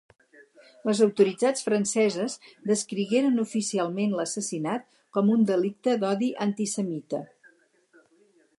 Les autoritats franceses descrigueren oficialment l'assassinat com un delicte d'odi antisemita.